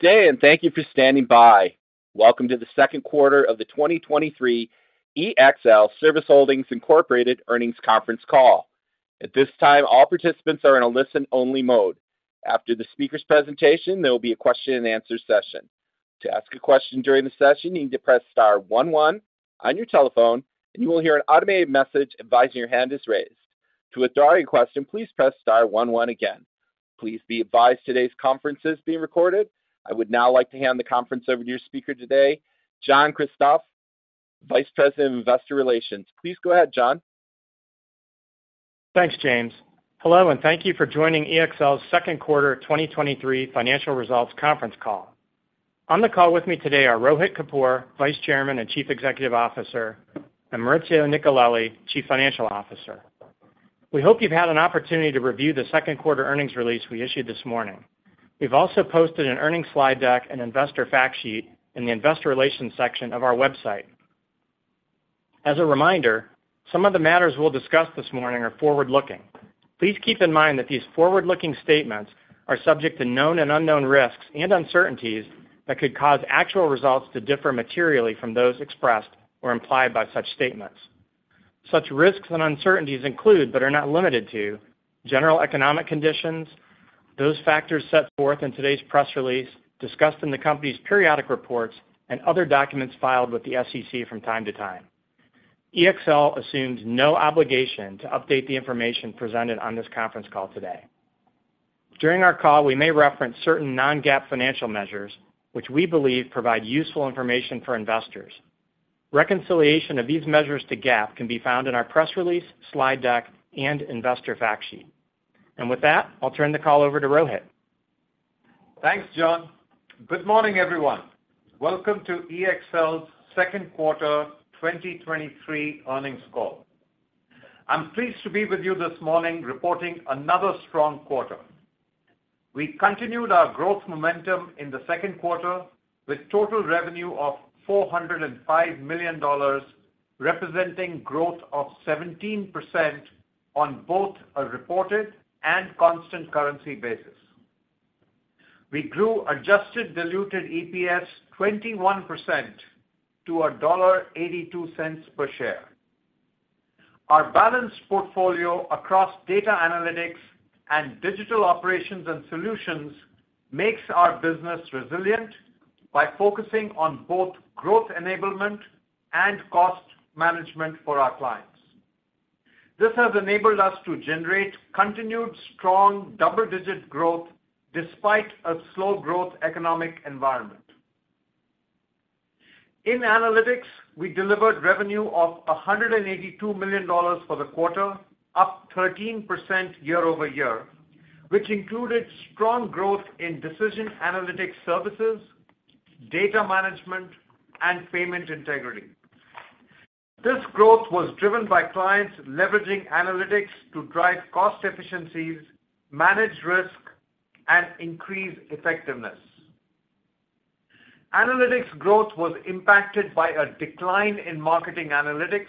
Good day. Thank you for standing by. Welcome to the second quarter of the 2023 ExlService Holdings Incorporated Earnings Conference Call. At this time, all participants are in a listen-only mode. After the speaker's presentation, there will be a question and answer session. To ask a question during the session, you need to press star one one on your telephone. You will hear an automated message advising your hand is raised. To withdraw your question, please press star one one again. Please be advised today's conference is being recorded. I would now like to hand the conference over to your speaker today, John Kristoff, Vice President of Investor Relations. Please go ahead, John. Thanks, James. Hello, and thank you for joining EXL's second quarter 2023 financial results conference call. On the call with me today are Rohit Kapoor, Vice Chairman and Chief Executive Officer, and Maurizio Nicolelli, Chief Financial Officer. We hope you've had an opportunity to review the second quarter earnings release we issued this morning. We've also posted an earnings slide deck and investor fact sheet in the investor relations section of our website. As a reminder, some of the matters we'll discuss this morning are forward-looking. Please keep in mind that these forward-looking statements are subject to known and unknown risks and uncertainties that could cause actual results to differ materially from those expressed or implied by such statements. Such risks and uncertainties include, but are not limited to: general economic conditions, those factors set forth in today's press release, discussed in the company's periodic reports, and other documents filed with the SEC from time to time. EXL assumes no obligation to update the information presented on this conference call today. During our call, we may reference certain non-GAAP financial measures, which we believe provide useful information for investors. Reconciliation of these measures to GAAP can be found in our press release, slide deck, and investor fact sheet. With that, I'll turn the call over to Rohit. Thanks, John. Good morning, everyone. Welcome to EXL's second quarter 2023 earnings call. I'm pleased to be with you this morning, reporting another strong quarter. We continued our growth momentum in the second quarter with total revenue of $405 million, representing growth of 17% on both a reported and constant currency basis. We grew adjusted diluted EPS 21% to $1.82 per share. Our balanced portfolio across data analytics and digital operations and solutions makes our business resilient by focusing on both growth enablement and cost management for our clients. This has enabled us to generate continued, strong, double-digit growth despite a slow growth economic environment. In analytics, we delivered revenue of $182 million for the quarter, up 13% year-over-year, which included strong growth in decision analytics services, data management, and payment integrity. This growth was driven by clients leveraging analytics to drive cost efficiencies, manage risk, and increase effectiveness. Analytics growth was impacted by a decline in marketing analytics,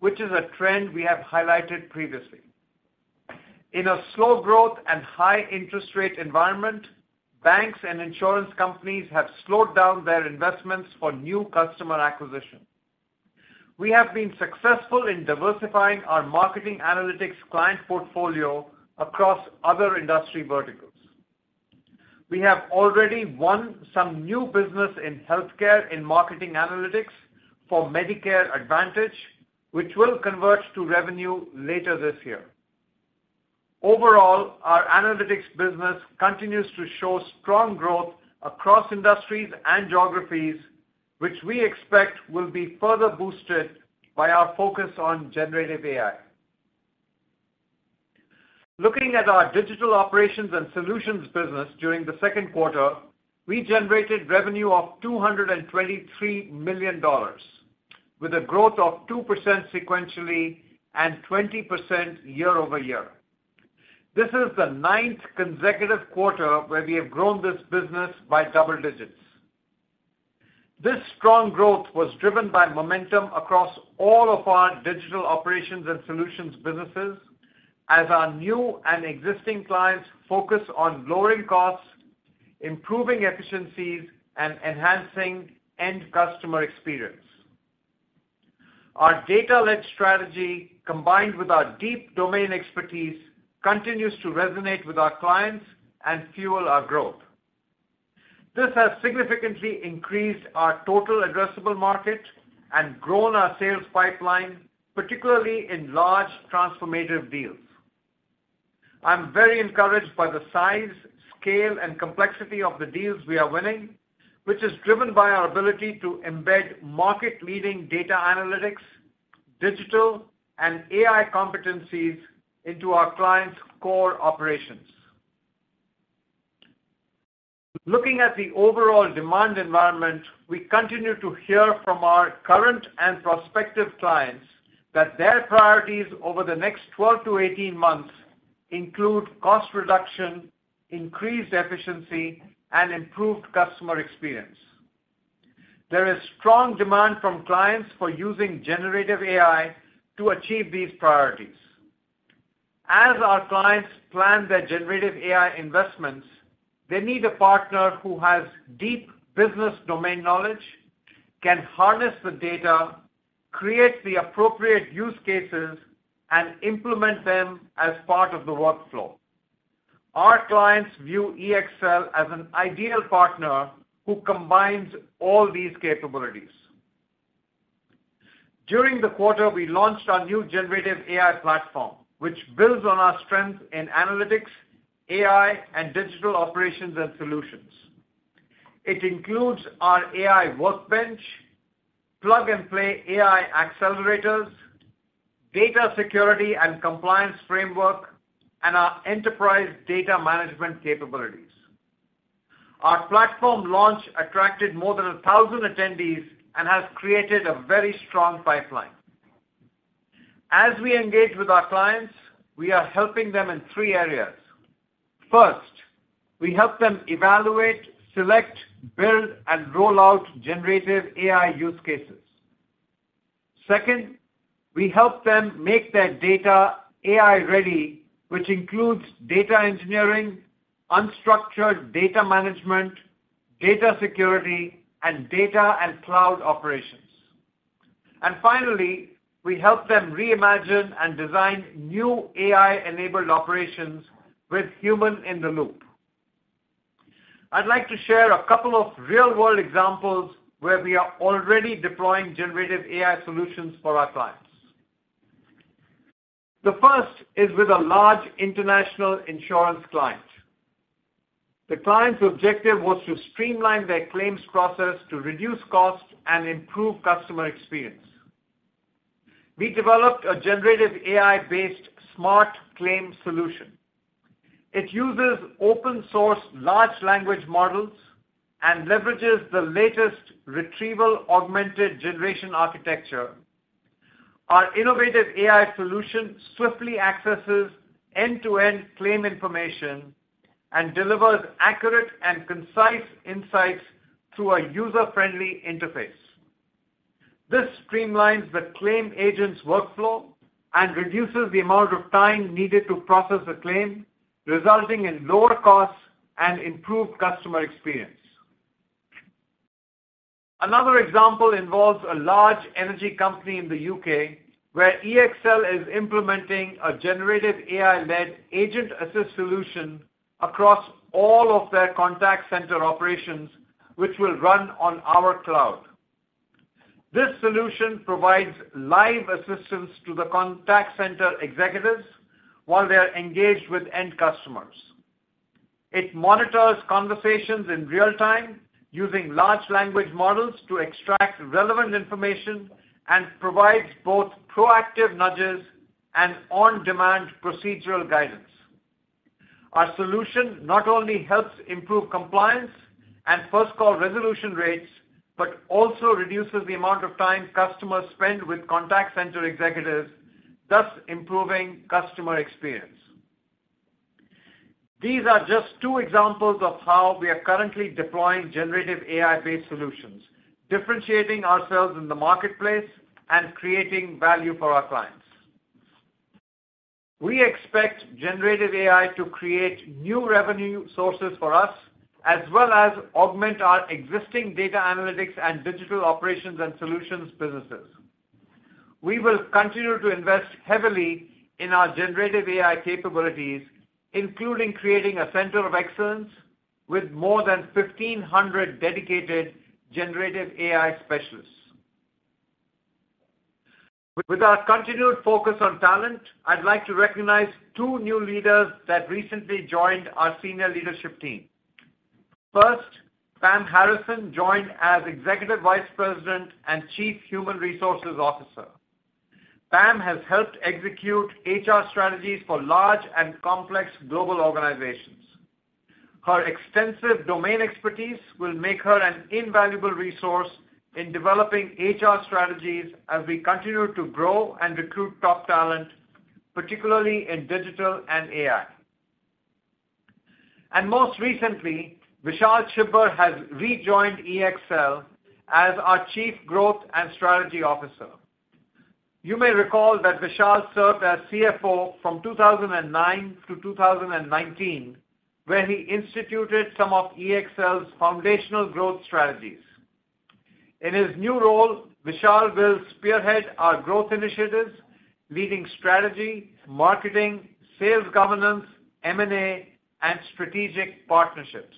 which is a trend we have highlighted previously. In a slow growth and high interest rate environment, banks and insurance companies have slowed down their investments for new customer acquisition. We have been successful in diversifying our marketing analytics client portfolio across other industry verticals. We have already won some new business in healthcare, in marketing analytics for Medicare Advantage, which will convert to revenue later this year. Overall, our analytics business continues to show strong growth across industries and geographies, which we expect will be further boosted by our focus on generative AI. Looking at our digital operations and solutions business during the second quarter, we generated revenue of $223 million, with a growth of 2% sequentially and 20% year-over-year. This is the ninth consecutive quarter where we have grown this business by double digits. This strong growth was driven by momentum across all of our digital operations and solutions businesses, as our new and existing clients focus on lowering costs, improving efficiencies, and enhancing end customer experience. Our data-led strategy, combined with our deep domain expertise, continues to resonate with our clients and fuel our growth. This has significantly increased our total addressable market and grown our sales pipeline, particularly in large transformative deals. I'm very encouraged by the size, scale, and complexity of the deals we are winning, which is driven by our ability to embed market-leading data analytics, digital and AI competencies into our clients' core operations. Looking at the overall demand environment, we continue to hear from our current and prospective clients that their priorities over the next 12 to 18 months include cost reduction, increased efficiency, and improved customer experience. There is strong demand from clients for using generative AI to achieve these priorities. As our clients plan their generative AI investments, they need a partner who has deep business domain knowledge, can harness the data, create the appropriate use cases, and implement them as part of the workflow. Our clients view EXL as an ideal partner who combines all these capabilities. During the quarter, we launched our new generative AI platform, which builds on our strength in analytics, AI, and digital operations and solutions. It includes our AI workbench, plug-and-play AI accelerators, data security and compliance framework, and our enterprise data management capabilities. Our platform launch attracted more than 1,000 attendees and has created a very strong pipeline. As we engage with our clients, we are helping them in three areas. First, we help them evaluate, select, build, and roll out generative AI use cases. Second, we help them make their data AI-ready, which includes data engineering, unstructured data management, data security, and data and cloud operations. Finally, we help them reimagine and design new AI-enabled operations with human in the loop. I'd like to share a couple of real-world examples where we are already deploying generative AI solutions for our clients. The first is with a large international insurance client. The client's objective was to streamline their claims process to reduce costs and improve customer experience. We developed a generative AI-based smart claim solution. It uses open-source large language models and leverages the latest retrieval-augmented generation architecture. Our innovative AI solution swiftly accesses end-to-end claim information and delivers accurate and concise insights through a user-friendly interface. This streamlines the claim agent's workflow and reduces the amount of time needed to process a claim, resulting in lower costs and improved customer experience. Another example involves a large energy company in the UK, where EXL is implementing a generative AI-led agent assist solution across all of their contact center operations, which will run on our cloud. This solution provides live assistance to the contact center executives while they are engaged with end customers. It monitors conversations in real time, using large language models to extract relevant information, and provides both proactive nudges and on-demand procedural guidance. Our solution not only helps improve compliance and first-call resolution rates, but also reduces the amount of time customers spend with contact center executives, thus improving customer experience. These are just two examples of how we are currently deploying generative AI-based solutions, differentiating ourselves in the marketplace, and creating value for our clients. We expect generative AI to create new revenue sources for us, as well as augment our existing data analytics and digital operations and solutions businesses. We will continue to invest heavily in our generative AI capabilities, including creating a center of excellence with more than 1,500 dedicated generative AI specialists. With our continued focus on talent, I'd like to recognize two new leaders that recently joined our senior leadership team. Pam Harrison joined as Executive Vice President and Chief Human Resources Officer. Pam has helped execute HR strategies for large and complex global organizations. Her extensive domain expertise will make her an invaluable resource in developing HR strategies as we continue to grow and recruit top talent, particularly in digital and AI. Most recently, Vishal Chhibbar has rejoined EXL as our Chief Growth and Strategy Officer. You may recall that Vishal served as CFO from 2009 to 2019, where he instituted some of EXL's foundational growth strategies. In his new role, Vishal will spearhead our growth initiatives, leading strategy, marketing, sales governance, M&A, and strategic partnerships.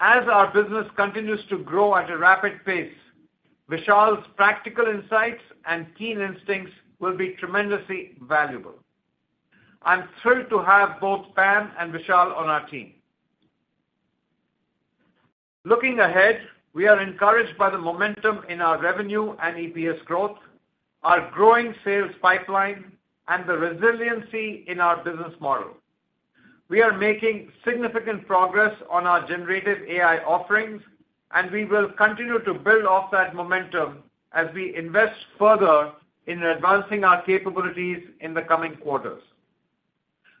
As our business continues to grow at a rapid pace, Vishal's practical insights and keen instincts will be tremendously valuable. I'm thrilled to have both Pam and Vishal on our team. Looking ahead, we are encouraged by the momentum in our revenue and EPS growth, our growing sales pipeline, and the resiliency in our business model. We are making significant progress on our generative AI offerings. We will continue to build off that momentum as we invest further in advancing our capabilities in the coming quarters.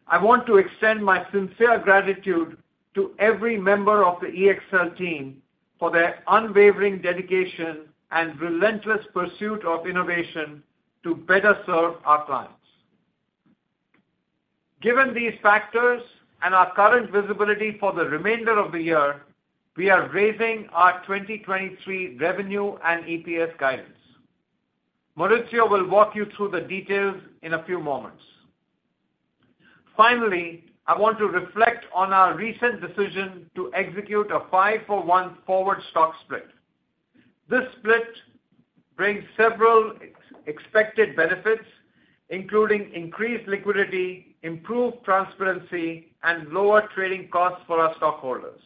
I want to extend my sincere gratitude to every member of the EXL team for their unwavering dedication and relentless pursuit of innovation to better serve our clients. Given these factors and our current visibility for the remainder of the year, we are raising our 2023 revenue and EPS guidance. Maurizio will walk you through the details in a few moments. Finally, I want to reflect on our recent decision to execute a five-for-one forward stock split. This split brings several expected benefits, including increased liquidity, improved transparency, and lower trading costs for our stockholders.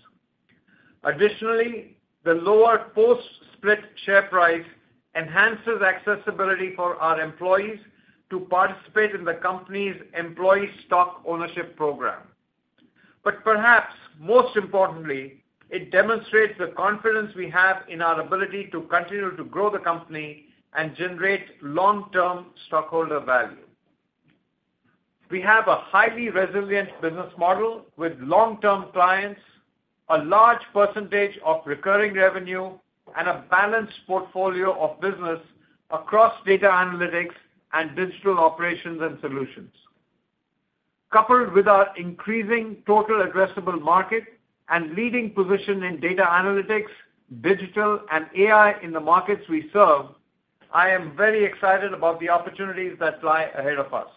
Additionally, the lower post-split share price enhances accessibility for our employees to participate in the company's employee stock ownership program. Perhaps most importantly, it demonstrates the confidence we have in our ability to continue to grow the company and generate long-term stockholder value. We have a highly resilient business model with long-term clients, a large percentage of recurring revenue, and a balanced portfolio of business across data analytics and digital operations and solutions. Coupled with our increasing total addressable market and leading position in data analytics, digital, and AI in the markets we serve, I am very excited about the opportunities that lie ahead of us.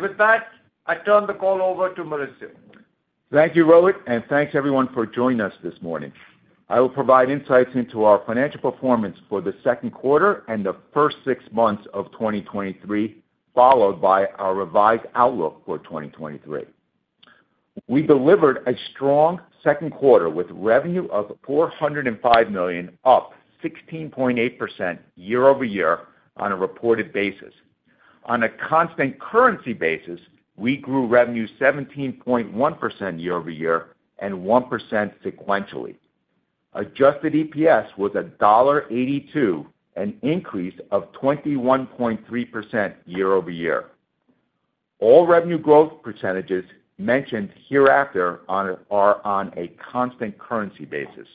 With that, I turn the call over to Maurizio. Thank you, Rohit, and thanks everyone for joining us this morning. I will provide insights into our financial performance for the second quarter and the first six months of 2023, followed by our revised outlook for 2023. We delivered a strong second quarter with revenue of $405 million, up 16.8% year-over-year on a reported basis. On a constant currency basis, we grew revenue 17.1% year-over-year and 1% sequentially. Adjusted EPS was $1.82, an increase of 21.3% year-over-year. All revenue growth percentages mentioned hereafter are on a constant currency basis.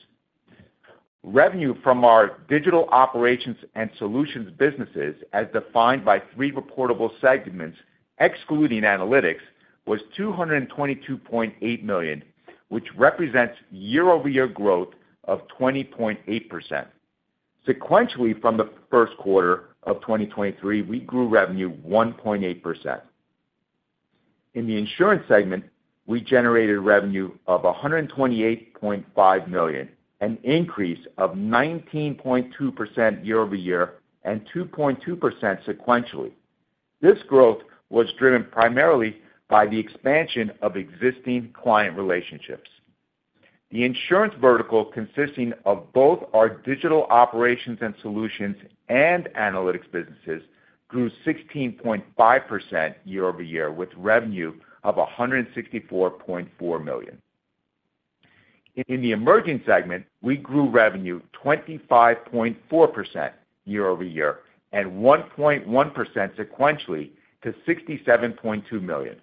Revenue from our digital operations and solutions businesses, as defined by three reportable segments, excluding Analytics, was $222.8 million, which represents year-over-year growth of 20.8%. Sequentially, from the first quarter of 2023, we grew revenue 1.8%. In the insurance segment, we generated revenue of $128.5 million, an increase of 19.2% year-over-year and 2.2% sequentially. This growth was driven primarily by the expansion of existing client relationships. The insurance vertical, consisting of both our digital operations and solutions and analytics businesses, grew 16.5% year-over-year, with revenue of $164.4 million. In the emerging segment, we grew revenue 25.4% year-over-year and 1.1% sequentially to $67.2 million.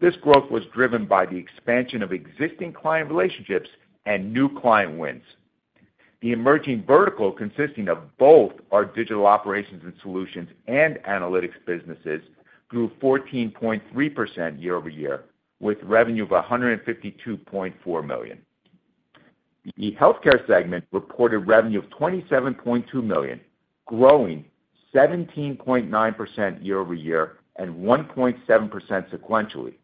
This growth was driven by the expansion of existing client relationships and new client wins. The emerging vertical, consisting of both our digital operations and solutions and Analytics businesses, grew 14.3% year-over-year, with revenue of $152.4 million. The healthcare segment reported revenue of $27.2 million, growing 17.9% year-over-year and 1.7% sequentially.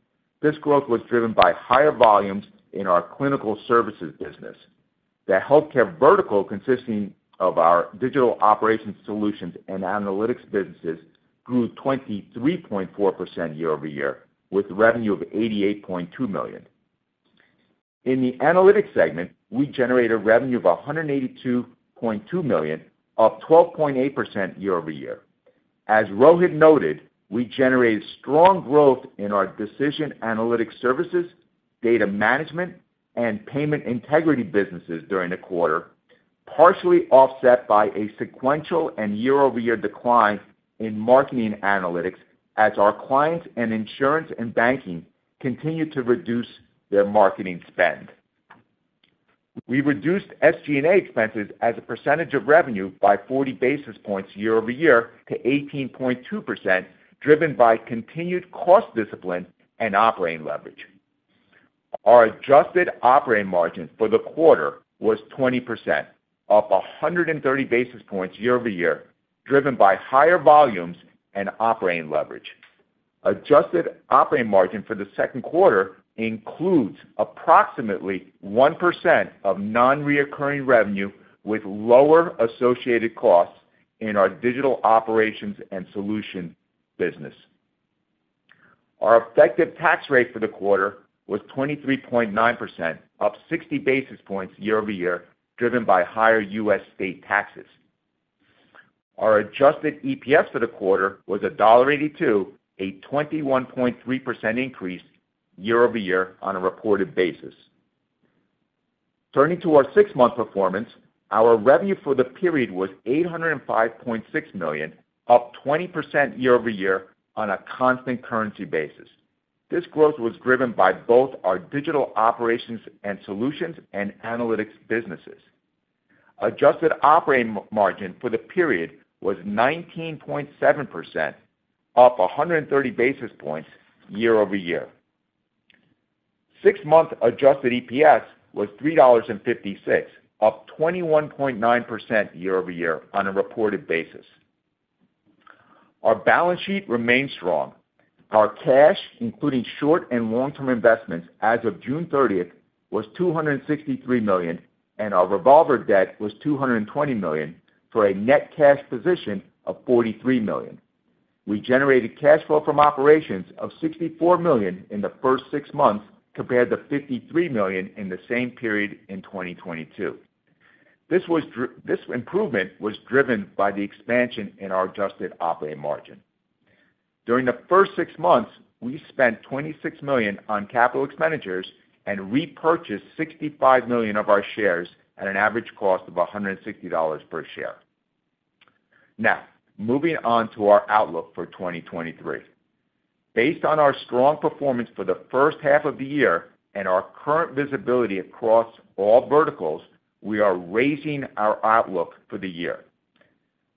This growth was driven by higher volumes in our clinical services business. The healthcare vertical, consisting of our digital operations solutions and Analytics businesses, grew 23.4% year-over-year, with revenue of $88.2 million. In the Analytics segment, we generated revenue of $182.2 million, up 12.8% year-over-year. As Rohit noted, we generated strong growth in our decision analytics services, data management, and payment integrity businesses during the quarter, partially offset by a sequential and year-over-year decline in marketing analytics as our clients in insurance and banking continued to reduce their marketing spend. We reduced SG&A expenses as a percentage of revenue by 40 basis points year-over-year to 18.2%, driven by continued cost discipline and operating leverage. Our adjusted operating margin for the quarter was 20%, up 130 basis points year-over-year, driven by higher volumes and operating leverage. Adjusted operating margin for the second quarter includes approximately 1% of non-recurring revenue with lower associated costs in our digital operations and solution business. Our effective tax rate for the quarter was 23.9%, up 60 basis points year-over-year, driven by higher US state taxes. Our adjusted EPS for the quarter was $1.82, a 21.3% increase year-over-year on a reported basis. Turning to our six-month performance, our revenue for the period was $805.6 million, up 20% year-over-year on a constant currency basis. This growth was driven by both our digital operations and solutions and analytics businesses. Adjusted operating margin for the period was 19.7%, up 130 basis points year-over-year. Six-month adjusted EPS was $3.56, up 21.9% year-over-year on a reported basis. Our balance sheet remains strong. Our cash, including short and long-term investments as of June 30th, was $263 million, and our revolver debt was $220 million, for a net cash position of $43 million. We generated cash flow from operations of $64 million in the first six months, compared to $53 million in the same period in 2022. This improvement was driven by the expansion in our adjusted operating margin. During the first six months, we spent $26 million on capital expenditures and repurchased $65 million of our shares at an average cost of $160 per share. Now, moving on to our outlook for 2023. Based on our strong performance for the first half of the year and our current visibility across all verticals, we are raising our outlook for the year.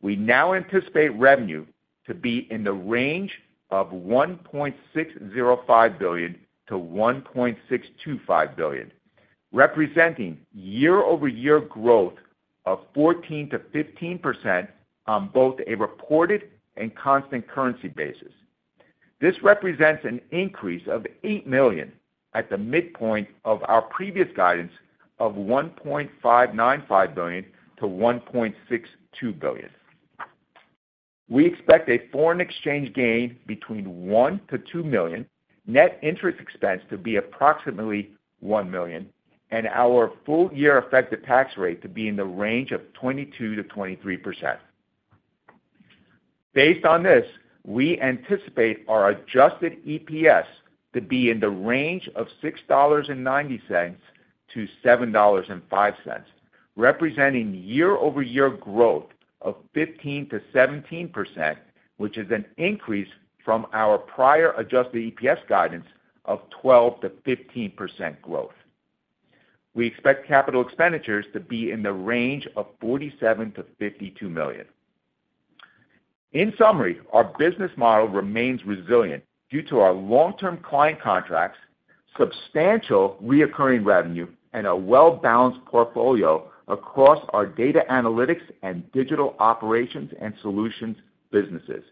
We now anticipate revenue to be in the range of $1.605 billion-$1.625 billion, representing year-over-year growth of 14%-15% on both a reported and constant currency basis. This represents an increase of $8 million at the midpoint of our previous guidance of $1.595 billion-$1.62 billion. We expect a foreign exchange gain between $1 million-$2 million, net interest expense to be approximately $1 million, and our full year effective tax rate to be in the range of 22%-23%. Based on this, we anticipate our adjusted EPS to be in the range of $6.90 to $7.05, representing year-over-year growth of 15%-17%, which is an increase from our prior adjusted EPS guidance of 12%-15% growth. We expect capital expenditures to be in the range of $47 million-$52 million. In summary, our business model remains resilient due to our long-term client contracts, substantial reoccurring revenue, and a well-balanced portfolio across our data analytics and digital operations and solutions businesses.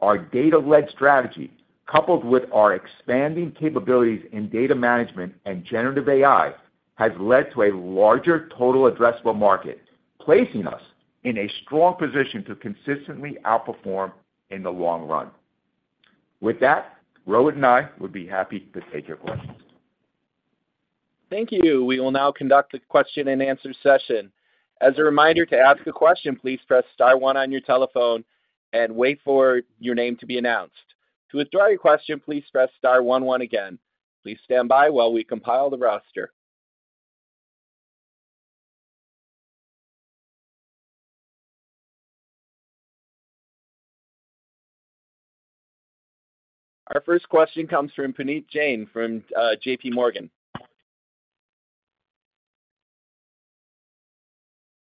Our data-led strategy, coupled with our expanding capabilities in data management and generative AI, has led to a larger total addressable market, placing us in a strong position to consistently outperform in the long run. With that, Rohit and I would be happy to take your questions. Thank you. We will now conduct a question and answer session. As a reminder, to ask a question, please press star one on your telephone and wait for your name to be announced. To withdraw your question, please press star one one again. Please stand by while we compile the roster. Our first question comes from Puneet Jain from JPMorgan.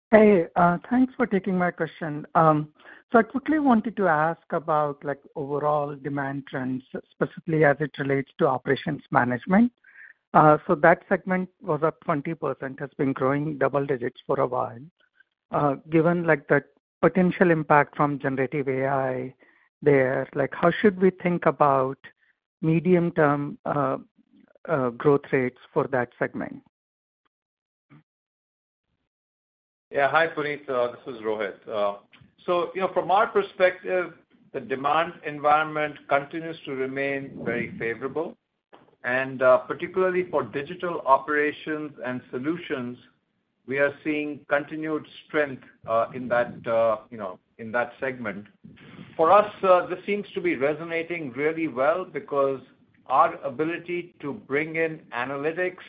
Hey, thanks for taking my question. I quickly wanted to ask about, like, overall demand trends, specifically as it relates to operations management. That segment was up 20%, has been growing double digits for a while. Given, like, the potential impact from generative AI there, like, how should we think about medium-term growth rates for that segment? Yeah, hi, Puneet, this is Rohit. You know, from our perspective, the demand environment continues to remain very favorable. Particularly for digital operations and solutions, we are seeing continued strength in that, you know, in that segment. For us, this seems to be resonating really well because our ability to bring in analytics,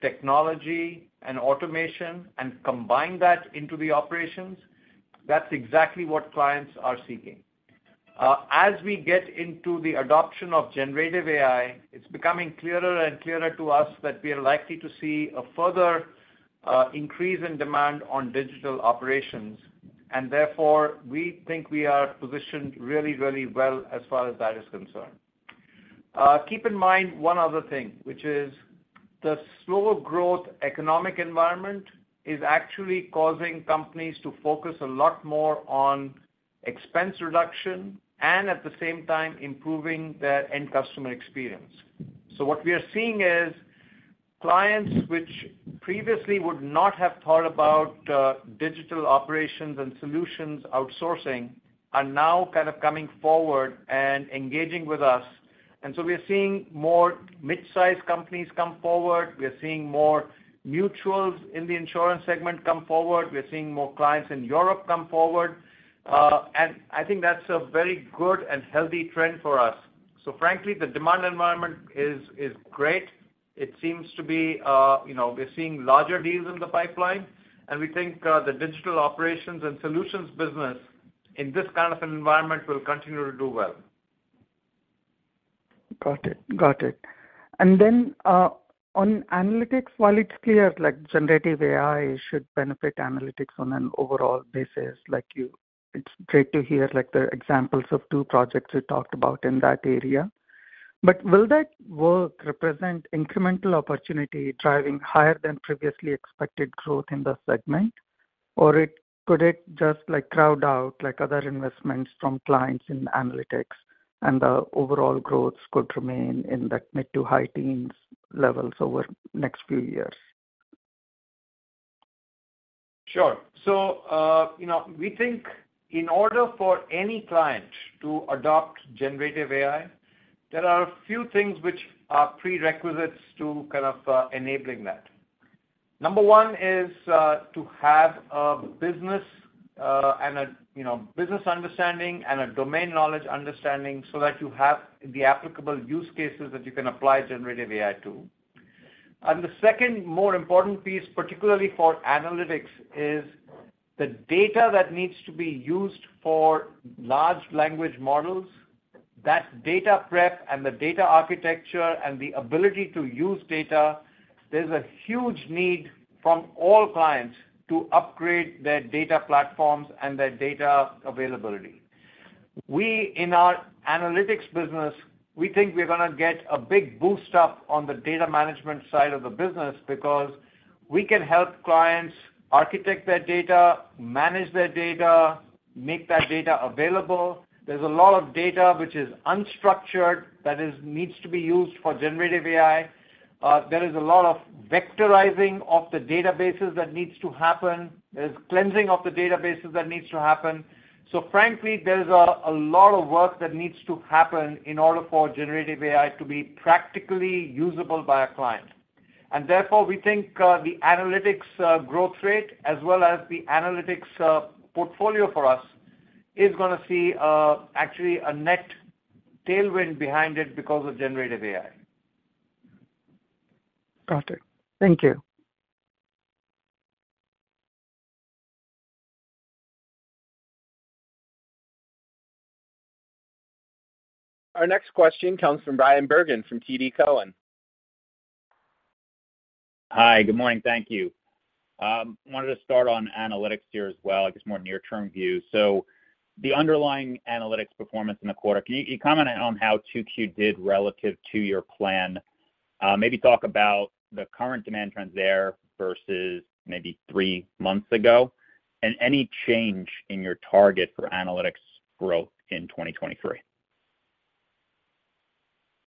technology, and automation and combine that into the operations, that's exactly what clients are seeking. As we get into the adoption of generative AI, it's becoming clearer and clearer to us that we are likely to see a further increase in demand on digital operations, and therefore, we think we are positioned really, really well as far as that is concerned. Keep in mind one other thing, which is the slower growth economic environment is actually causing companies to focus a lot more on expense reduction and, at the same time, improving their end customer experience. What we are seeing is clients which previously would not have thought about digital operations and solutions outsourcing, are now kind of coming forward and engaging with us. We are seeing more mid-sized companies come forward. We are seeing more neutrals in the insurance segment come forward. We're seeing more clients in Europe come forward. I think that's a very good and healthy trend for us. Frankly, the demand environment is great. It seems to be, you know, we're seeing larger deals in the pipeline, and we think, the digital operations and solutions business in this kind of an environment will continue to do well. Got it. Got it. On analytics, while it's clear, generative AI should benefit analytics on an overall basis, it's great to hear the examples of two projects you talked about in that area. Will that work represent incremental opportunity, driving higher than previously expected growth in the segment? Or could it just crowd out other investments from clients in analytics, and the overall growth could remain in that mid-to-high teens levels over the next few years? Sure. You know, we think in order for any client to adopt generative AI, there are a few things which are prerequisites to kind of enabling that. Number one is to have a business and a, you know, business understanding and a domain knowledge understanding so that you have the applicable use cases that you can apply generative AI to. The second more important piece, particularly for analytics, is the data that needs to be used for large language models, that data prep and the data architecture and the ability to use data, there's a huge need from all clients to upgrade their data platforms and their data availability. We, in our Analytics business, we think we're gonna get a big boost up on the data management side of the business because we can help clients architect their data, manage their data, make that data available. There's a lot of data which is unstructured, that needs to be used for Generative AI. There is a lot of vectorizing of the databases that needs to happen. There's cleansing of the databases that needs to happen. Frankly, there's a lot of work that needs to happen in order for Generative AI to be practically usable by a client. Therefore, we think the Analytics growth rate, as well as the Analytics portfolio for us, is gonna see actually a net tailwind behind it because of Generative AI. Got it. Thank you. Our next question comes from Bryan Bergin from TD Cowen. Hi, good morning. Thank you. Wanted to start on analytics here as well, I guess, more near-term view. The underlying analytics performance in the quarter, you commented on how 2Q did relative to your plan. Maybe talk about the current demand trends there versus maybe three months ago, and any change in your target for analytics growth in 2023?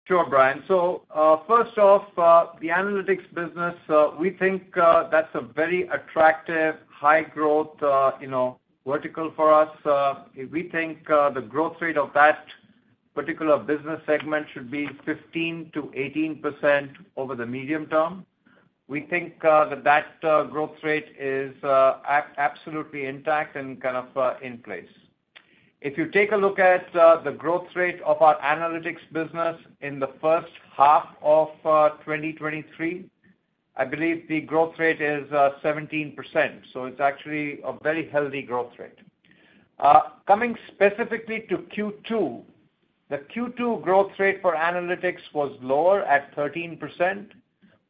Sure, Bryan. First off, the analytics business, we think that's a very attractive, high-growth, you know, vertical for us. We think the growth rate of that particular business segment should be 15%-18% over the medium term. We think that growth rate is absolutely intact and kind of in place. If you take a look at the growth rate of our analytics business in the first half of 2023, I believe the growth rate is 17%, so it's actually a very healthy growth rate. Coming specifically to Q2, the Q2 growth rate for analytics was lower at 13%.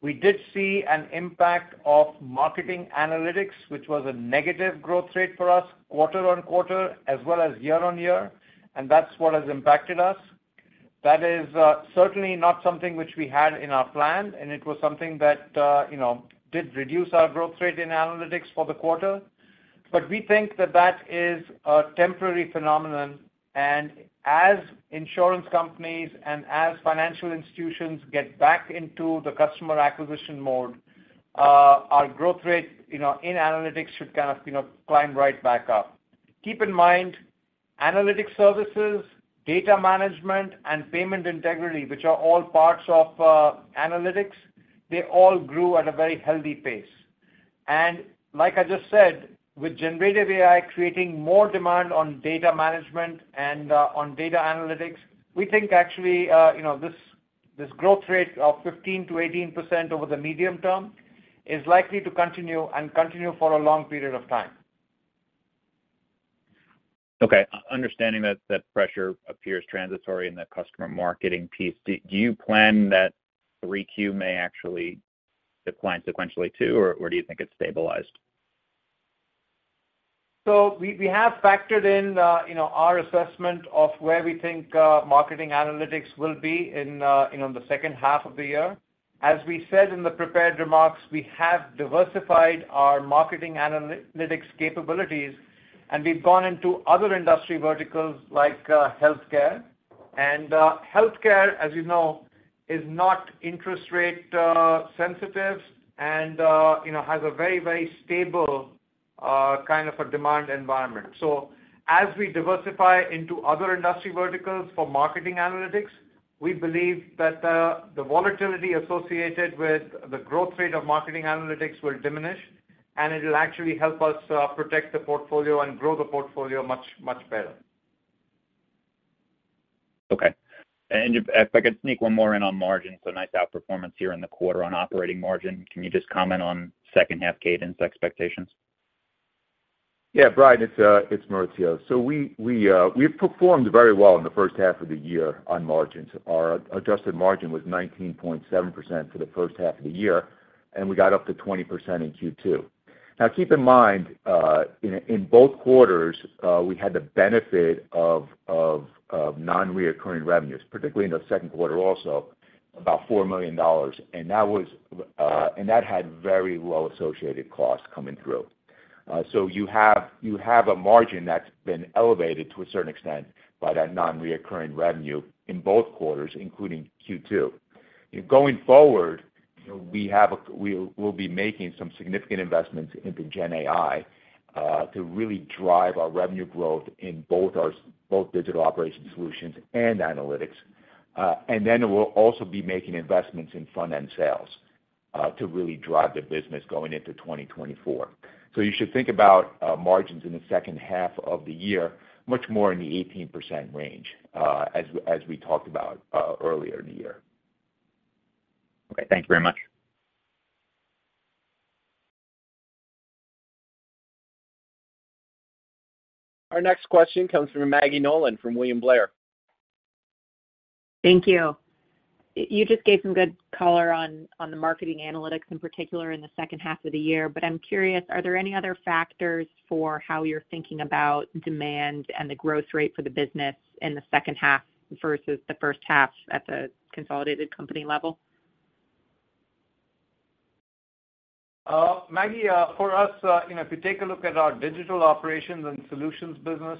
We did see an impact of marketing analytics, which was a negative growth rate for us, quarter-on-quarter, as well as year-on-year, and that's what has impacted us. That is certainly not something which we had in our plan, and it was something that, you know, did reduce our growth rate in analytics for the quarter. We think that that is a temporary phenomenon, and as insurance companies and as financial institutions get back into the customer acquisition mode, our growth rate, you know, in analytics should kind of, you know, climb right back up. Keep in mind, analytics services, data management, and payment integrity, which are all parts of analytics, they all grew at a very healthy pace. Like I just said, with generative AI creating more demand on data management and on data analytics, we think actually, you know, this, this growth rate of 15%-18% over the medium term is likely to continue, and continue for a long period of time. Okay. Understanding that that pressure appears transitory in the customer marketing piece, do you plan that Q3 may actually decline sequentially, too, or do you think it's stabilized? We have factored in, you know, our assessment of where we think marketing analytics will be in, you know, the second half of the year. As we said in the prepared remarks, we have diversified our marketing analytics capabilities, and we've gone into other industry verticals like healthcare. Healthcare, as you know, is not interest rate sensitive and, you know, has a very stable kind of a demand environment. As we diversify into other industry verticals for marketing analytics, we believe that the volatility associated with the growth rate of marketing analytics will diminish.... and it will actually help us protect the portfolio and grow the portfolio much better. Okay. If I could sneak one more in on margins, nice outperformance here in the quarter on operating margin. Can you just comment on second-half cadence expectations? Yeah, Bryan, it's Maurizio. We've performed very well in the first half of the year on margins. Our adjusted margin was 19.7% for the first half of the year, and we got up to 20% in Q2. Now, keep in mind, in both quarters, we had the benefit of non-recurring revenues, particularly in the second quarter, also, about $4 million, and that had very well associated costs coming through. You have a margin that's been elevated to a certain extent by that non-recurring revenue in both quarters, including Q2. Going forward, we'll be making some significant investments into GenAI to really drive our revenue growth in both digital operations solutions and analytics. Then we'll also be making investments in front-end sales, to really drive the business going into 2024. You should think about, margins in the second half of the year, much more in the 18% range, as we talked about, earlier in the year. Okay, thank you very much. Our next question comes from Maggie Nolan, from William Blair. Thank you. You just gave some good color on the marketing analytics, in particular, in the second half of the year. I'm curious, are there any other factors for how you're thinking about demand and the growth rate for the business in the second half versus the first half at the consolidated company level? Maggie, for us, you know, if you take a look at our digital operations and solutions business,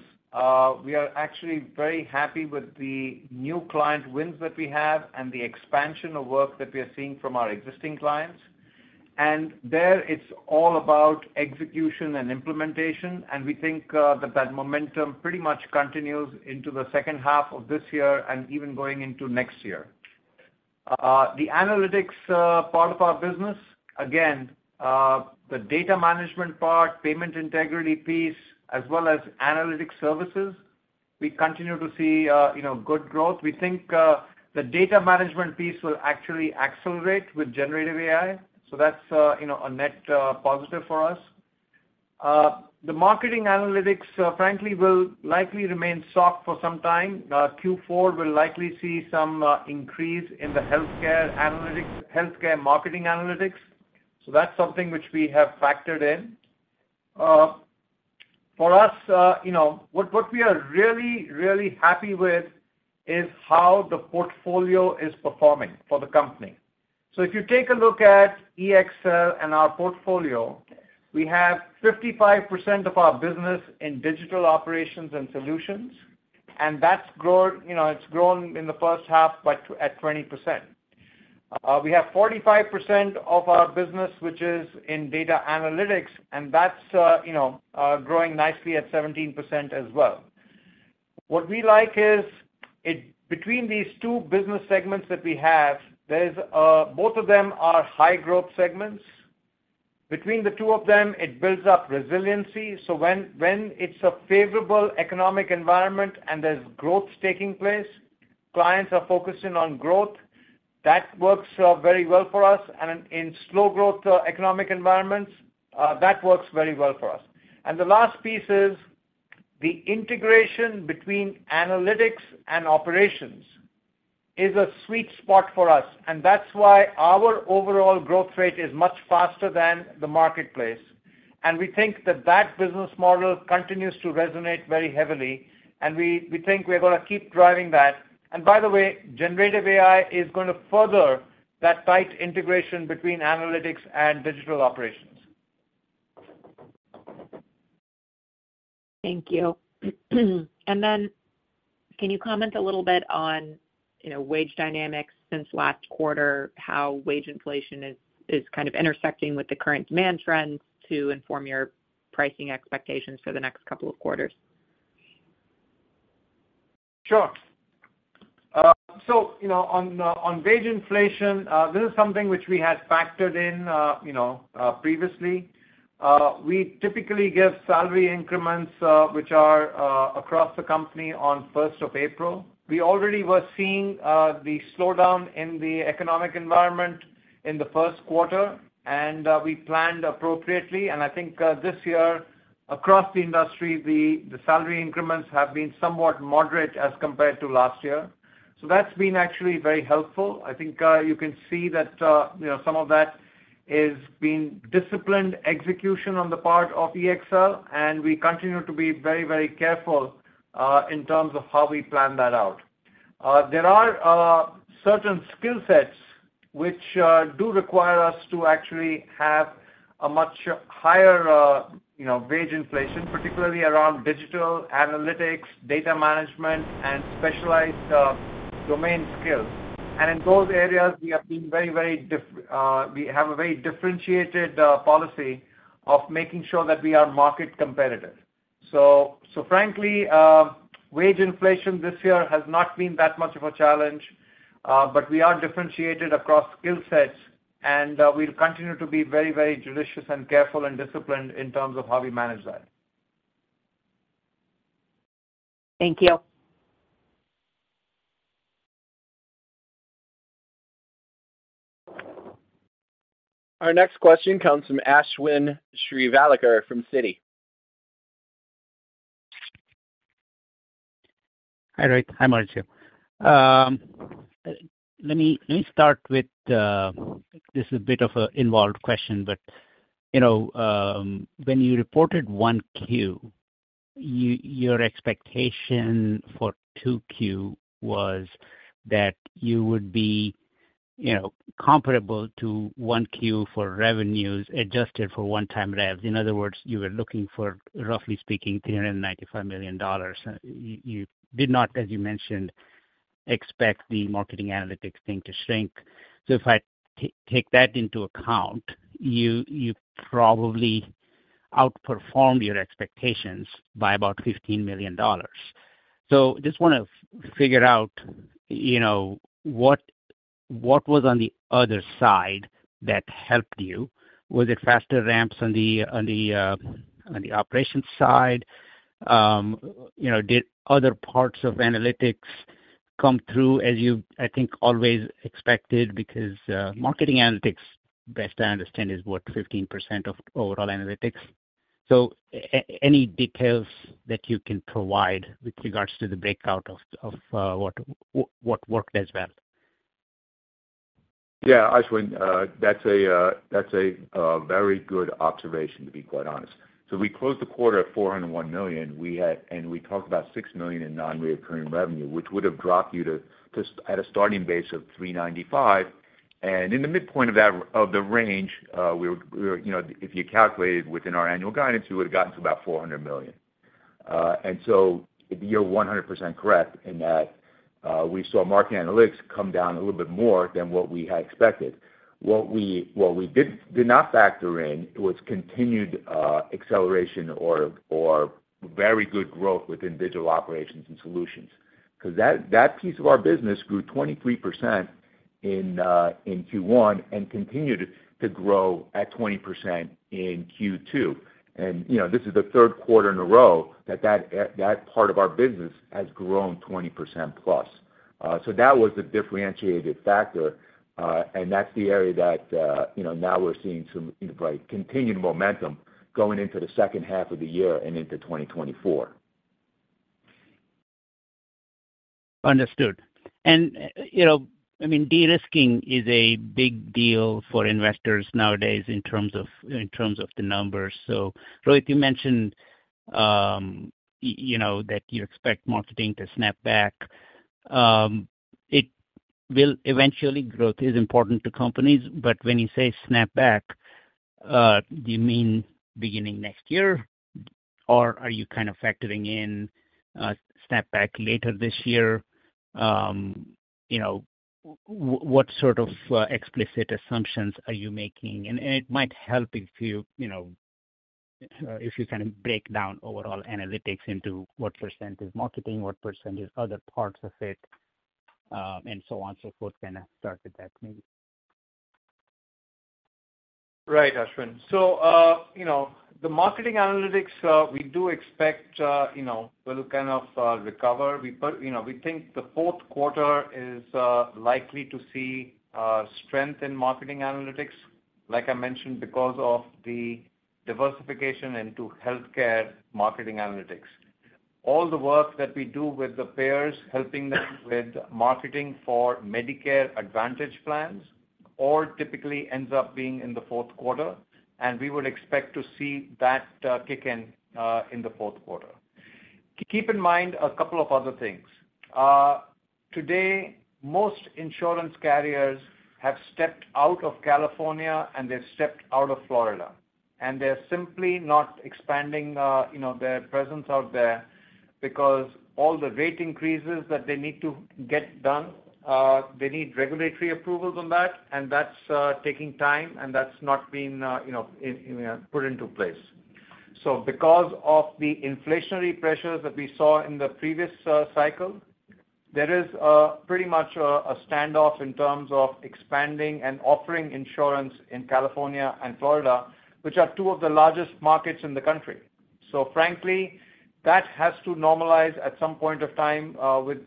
we are actually very happy with the new client wins that we have and the expansion of work that we are seeing from our existing clients. There, it's all about execution and implementation, and we think that that momentum pretty much continues into the second half of this year and even going into next year. The analytics part of our business, again, the data management part, payment integrity piece, as well as analytics services, we continue to see, you know, good growth. We think the data management piece will actually accelerate with generative AI, so that's, you know, a net positive for us. The marketing analytics, frankly, will likely remain soft for some time. Q4 will likely see some increase in the healthcare analytics, healthcare marketing analytics. That's something which we have factored in. For us, you know, what we are really happy with is how the portfolio is performing for the company. If you take a look at EXL and our portfolio, we have 55% of our business in digital operations and solutions, and that's grown, you know, it's grown in the first half at 20%. We have 45% of our business, which is in data analytics, and that's, you know, growing nicely at 17% as well. What we like is, between these two business segments that we have, there's a both of them are high growth segments. Between the two of them, it builds up resiliency. When it's a favorable economic environment and there's growth taking place, clients are focusing on growth. That works very well for us, and in slow growth economic environments, that works very well for us. The last piece is, the integration between analytics and operations is a sweet spot for us, and that's why our overall growth rate is much faster than the marketplace. We think that that business model continues to resonate very heavily, and we think we're gonna keep driving that. By the way, generative AI is gonna further that tight integration between analytics and digital operations. Thank you. Can you comment a little bit on, you know, wage dynamics since last quarter? How wage inflation is kind of intersecting with the current demand trends to inform your pricing expectations for the next couple of quarters? Sure. You know, on wage inflation, this is something which we had factored in, you know, previously. We typically give salary increments, which are across the company, on first of April. We already were seeing the slowdown in the economic environment in the first quarter, and we planned appropriately. I think this year, across the industry, the salary increments have been somewhat moderate as compared to last year. That's been actually very helpful. I think you can see that, you know, some of that is being disciplined execution on the part of EXL, and we continue to be very, very careful in terms of how we plan that out. There are certain skill sets which do require us to actually have a much higher, you know, wage inflation, particularly around digital analytics, data management, and specialized domain skills. In those areas, we have a very differentiated policy of making sure that we are market competitive. Frankly, wage inflation this year has not been that much of a challenge, but we are differentiated across skill sets, and we'll continue to be very, very judicious and careful and disciplined in terms of how we manage that. Thank you. Our next question comes from Ashwin Shirvaikar from Citi. Hi, Rohit. Hi, Maurizio. Let me, let me start with, this is a bit of a involved question, but you know, when you reported Q1, your expectation for Q2 was that you would be, you know, comparable to Q1 for revenues adjusted for one-time rev. In other words, you were looking for, roughly speaking, $395 million. You, you did not, as you mentioned, expect the marketing analytics thing to shrink. If I take that into account, you, you probably outperformed your expectations by about $15 million. Just wanna figure out, you know, what, what was on the other side that helped you? Was it faster ramps on the, on the, on the operations side? You know, did other parts of analytics come through as you, I think, always expected marketing analytics, best I understand, is worth 15% of overall analytics. Any details that you can provide with regards to the breakout of, of, what worked as well? Yeah, Ashwin, that's a very good observation, to be quite honest. We closed the quarter at $401 million. We talked about $6 million in non-recurring revenue, which would have dropped you to at a starting base of $395 million. In the midpoint of that, of the range, we were, you know, if you calculated within our annual guidance, we would have gotten to about $400 million. You're 100% correct in that we saw marketing analytics come down a little bit more than what we had expected. What we did not factor in was continued acceleration or very good growth within digital operations and solutions. 'Cause that piece of our business grew 23% in Q1 and continued to grow at 20% in Q2. You know, this is the third quarter in a row that that part of our business has grown 20%+. That was the differentiated factor, and that's the area that, you know, now we're seeing some, like, continued momentum going into the second half of the year and into 2024. Understood. You know, I mean, de-risking is a big deal for investors nowadays in terms of, in terms of the numbers. Rohit, you mentioned, you know, that you expect marketing to snap back. It will eventually, growth is important to companies, but when you say snap back, do you mean beginning next year, or are you kind of factoring in a snap back later this year? You know, what sort of explicit assumptions are you making? And it might help if you, you know, if you kind of break down overall analytics into what percent is marketing, what percent is other parts of it, and so on, so forth, kinda start with that maybe. Ashwin, you know, the marketing analytics, we think the fourth quarter is likely to see strength in marketing analytics, like I mentioned, because of the diversification into healthcare marketing analytics. All the work that we do with the payers, helping them with marketing for Medicare Advantage plans, all typically ends up being in the fourth quarter, and we would expect to see that kick in in the fourth quarter. Keep in mind a couple of other things. Today, most insurance carriers have stepped out of California, and they've stepped out of Florida, and they're simply not expanding, you know, their presence out there because all the rate increases that they need to get done, they need regulatory approvals on that, and that's taking time, and that's not been, you know, in, in, put into place. Because of the inflationary pressures that we saw in the previous cycle, there is pretty much a standoff in terms of expanding and offering insurance in California and Florida, which are two of the largest markets in the country. Frankly, that has to normalize at some point of time, with,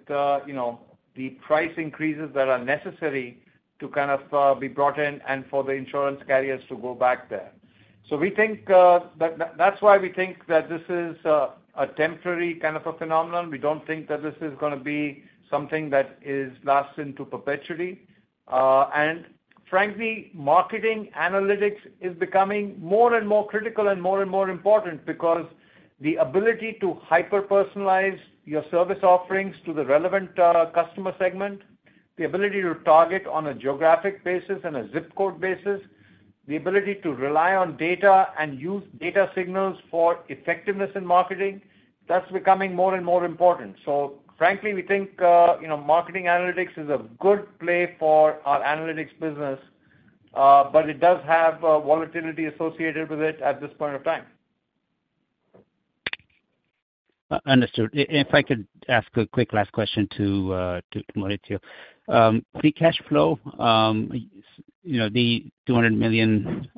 you know, the price increases that are necessary to kind of be brought in and for the insurance carriers to go back there. That's why we think that this is a temporary kind of a phenomenon. We don't think that this is gonna be something that is lasting to perpetually. Frankly, marketing analytics is becoming more and more critical and more and more important because the ability to hyper-personalize your service offerings to the relevant customer segment, the ability to target on a geographic basis and a zip code basis, the ability to rely on data and use data signals for effectiveness in marketing, that's becoming more and more important. Frankly, we think, you know, marketing analytics is a good play for our analytics business but it does have volatility associated with it at this point of time. Understood. If, if I could ask a quick last question to Maurizio you. Free cash flow, you know, the $200+ million,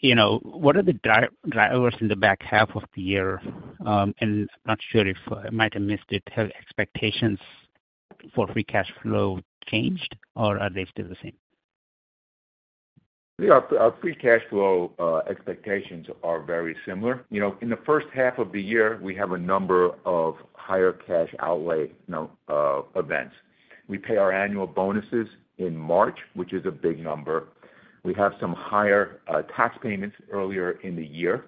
you know, what are the drivers in the back half of the year? Not sure if I might have missed it, have expectations for free cash flow changed, or are they still the same? Our free cash flow expectations are very similar. You know, in the first half of the year, we have a number of higher cash outlay, you know, events. We pay our annual bonuses in March, which is a big number. We have some higher tax payments earlier in the year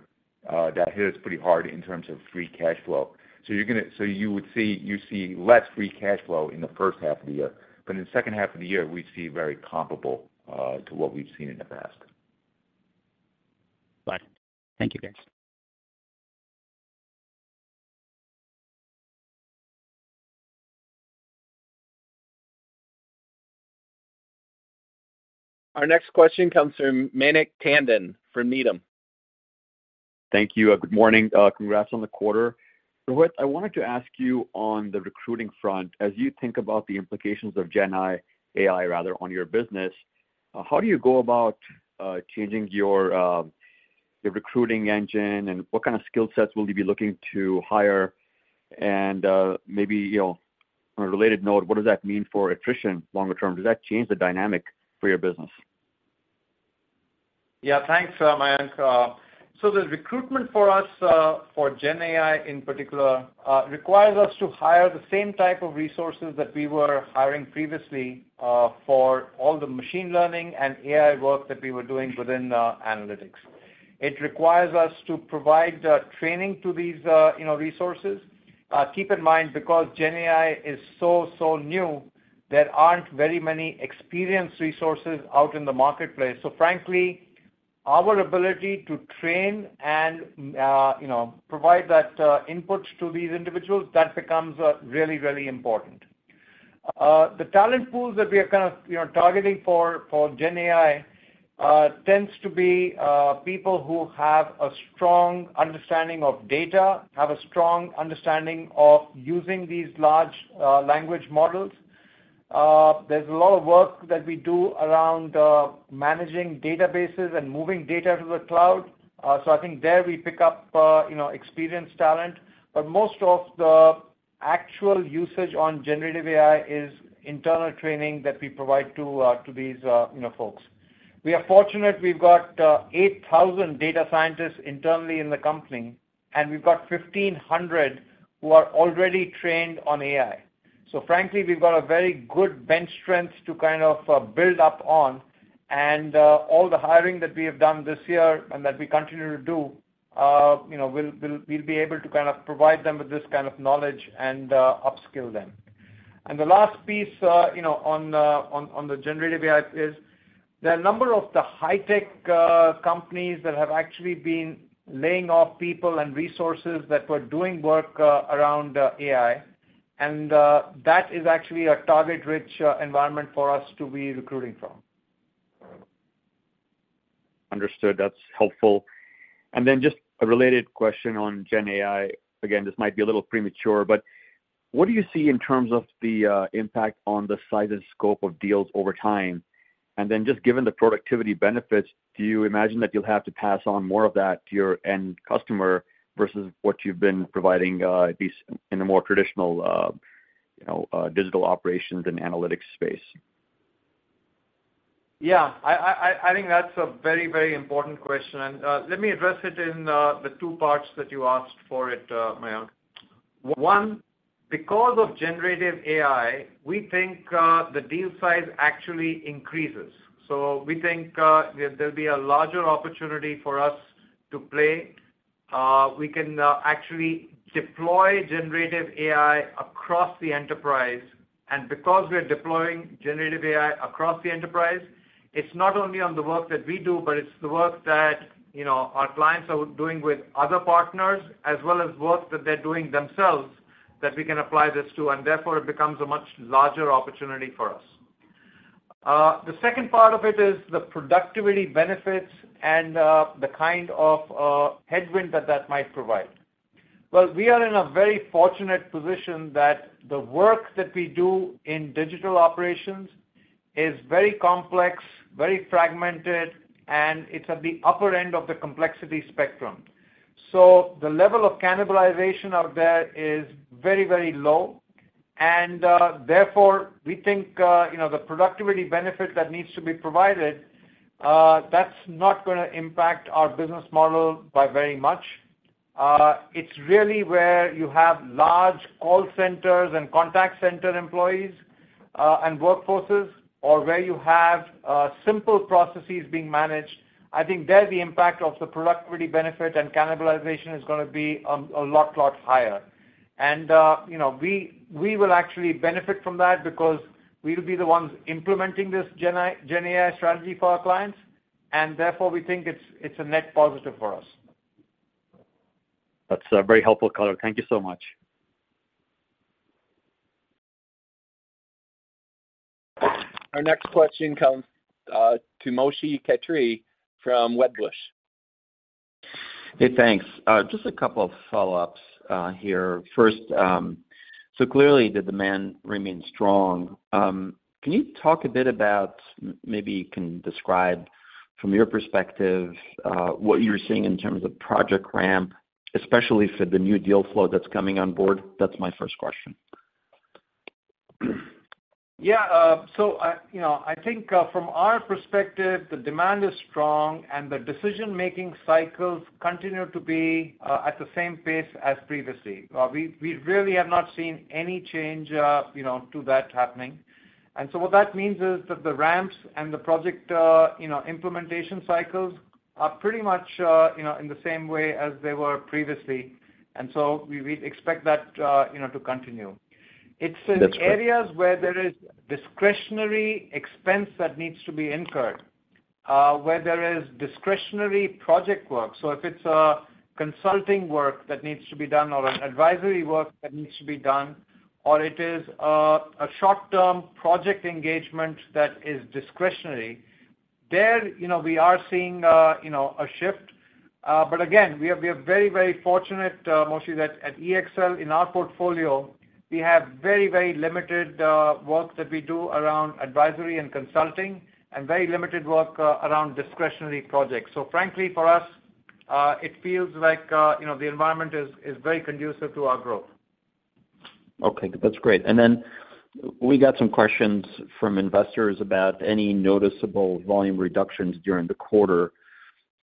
that hits pretty hard in terms of free cash flow. You would see less free cash flow in the first half of the year, but in the second half of the year, we see very comparable to what we've seen in the past. Bye. Thank you, guys. Our next question comes from Mayank Tandon from Needham. Thank you, and good morning. Congrats on the quarter. Rohit, I wanted to ask you on the recruiting front, as you think about the implications of GenAI, rather, on your business, how do you go about changing your recruiting engine? What kind of skill sets will you be looking to hire? Maybe, you know, on a related note, what does that mean for attrition longer term? Does that change the dynamic for your business? Yeah, thanks, Mayank. The recruitment for us, for GenAI, in particular, requires us to hire the same type of resources that we were hiring previously, for all the machine learning and AI work that we were doing within the analytics. It requires us to provide, training to these, you know, resources. Keep in mind, because GenAI is so, so new, there aren't very many experienced resources out in the marketplace. Frankly, our ability to train and, you know, provide that, input to these individuals, that becomes, really, really important. The talent pools that we are kind of, you know, targeting for, for GenAI, tends to be, people who have a strong understanding of data, have a strong understanding of using these large, language models. Work that we do around data management and moving data to the cloud. I think there we pick up, you know, experienced talent. But most of the actual usage on GenAI is internal training that we provide to these, you know, folks. We are fortunate, we've got 8,000 data scientists internally in the company, and we've got 1,500 who are already trained on AI. Frankly, we've got a very good bench strength to kind of build up on, and all the hiring that we have done this year and that we continue to do, you know, we'll be able to kind of provide them with this kind of knowledge and upskill them. The last piece, you know, on the generative AI is, there are a number of the high tech companies that have actually been laying off people and resources that were doing work around AI, and that is actually a target-rich environment for us to be recruiting from. Understood. That's helpful. Just a related question on Gen AI. Again, this might be a little premature, but what do you see in terms of the impact on the size and scope of deals over time? Just given the productivity benefits, do you imagine that you'll have to pass on more of that to your end customer versus what you've been providing, at least in a more traditional, you know, digital operations and analytics space? Yeah. I think that's a very, very important question, and let me address it in the two parts that you asked for it, Mayank. One, because of generative AI, we think the deal size actually increases. We think there'll be a larger opportunity for us to play. We can actually deploy generative AI across the enterprise, and because we are deploying generative AI across the enterprise, it's not only on the work that we do, but it's the work that, you know, our clients are doing with other partners, as well as work that they're doing themselves, that we can apply this to, and therefore, it becomes a much larger opportunity for us. The second part of it is the productivity benefits and the kind of headwind that that might provide. Well, we are in a very fortunate position that the work that we do in digital operations is very complex, very fragmented, and it's at the upper end of the complexity spectrum. The level of cannibalization out there is very, very low, therefore, we think, you know, the productivity benefit that needs to be provided, that's not gonna impact our business model by very much. It's really where you have large call centers and contact center employees and workforces, or where you have simple processes being managed. I think there, the impact of the productivity benefit and cannibalization is gonna be a lot higher. We will actually benefit from that because we'll be the ones implementing this Gen AI strategy for our clients. Therefore, we think it's a net positive for us. That's a very helpful color. Thank you so much. Our next question comes to Moshe Katri from Wedbush. Hey, thanks. Just a couple of follow-ups here. First, clearly, the demand remains strong. Maybe you can describe from your perspective what you're seeing in terms of project ramp, especially for the new deal flow that's coming on board? That's my first question. Yeah, I, you know, I think, from our perspective, the demand is strong, and the decision-making cycles continue to be, at the same pace as previously. We, we really have not seen any change, you know, to that happening. What that means is that the ramps and the project, you know, implementation cycles are pretty much, you know, in the same way as they were previously. We, we expect that, you know, to continue. That's great. It's in areas where there is discretionary expense that needs to be incurred, where there is discretionary project work. If it's a consulting work that needs to be done, or an advisory work that needs to be done, or it is, a short-term project engagement that is discretionary, there, you know, we are seeing, you know, a shift. Again, we are very, very fortunate, Moshe, that at EXL, in our portfolio, we have very, very limited, work that we do around advisory and consulting, and very limited work, around discretionary projects. Frankly, for us, it feels like, you know, the environment is very conducive to our growth. Okay, that's great. We got some questions from investors about any noticeable volume reductions during the quarter.